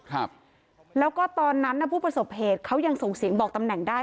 ครับแล้วก็ตอนนั้นน่ะผู้ประสบเหตุเขายังส่งเสียงบอกตำแหน่งได้